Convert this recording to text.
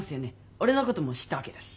俺のこともう知ったわけだし？